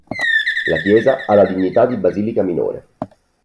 La chiesa ha la dignità di basilica minore.